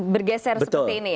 bergeser seperti ini ya